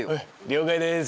了解です。